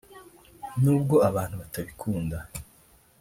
nubwo abantu batabikunda